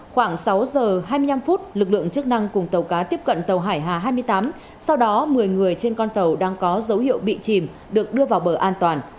khoảng sáu giờ hai mươi năm phút lực lượng chức năng cùng tàu cá tiếp cận tàu hải hà hai mươi tám sau đó một mươi người trên con tàu đang có dấu hiệu bị chìm được đưa vào bờ an toàn